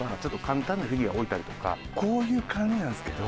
こういう感じなんですけど。